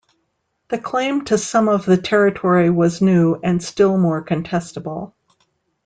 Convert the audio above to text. The claim to some of the territory was new and still more contestable.